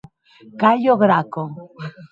Cayo Graco.